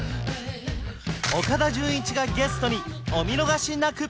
岡田准一がゲストにお見逃しなく！